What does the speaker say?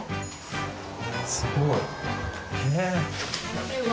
すごい。